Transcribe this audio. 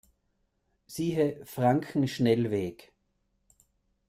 Siehe Frankenschnellweg.